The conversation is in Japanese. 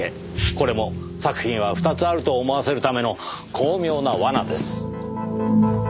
これも作品は２つあると思わせるための巧妙な罠です。